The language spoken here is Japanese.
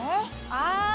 ああ！